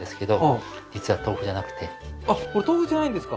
はいあっこれ豆腐じゃないんですか？